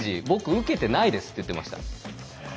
「僕受けてないです」って言ってました。